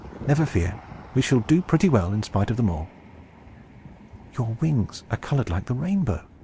Never fear! we shall do pretty well in spite of them all." "Your wings are colored like the rainbow!"